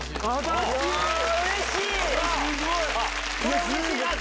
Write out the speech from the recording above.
うれしい！